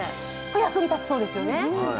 これ役に立ちそうですよね。